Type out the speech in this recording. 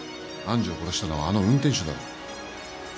愛珠を殺したのはあの運転手だろ